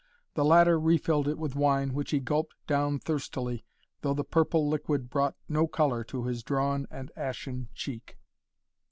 The latter refilled it with wine, which he gulped down thirstily, though the purple liquid brought no color to his drawn and ashen cheek.